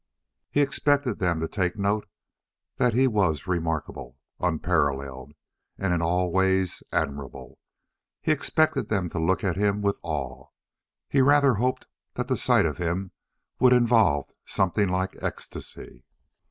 He expected them to take note that he was remarkable, unparalleled, and in all ways admirable. He expected them to look at him with awe. He rather hoped that the sight of him would involve something like ecstasy.